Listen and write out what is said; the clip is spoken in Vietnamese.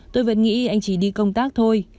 tôi vẫn nghĩ anh chỉ đi công tác thôi